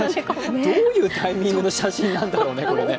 どういうタイミングの写真なんだろうね、これね。